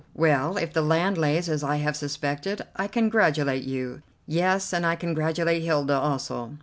Well, if the land lays as I have suspected, I congratulate you. Yes, and I congratulate Hilda also.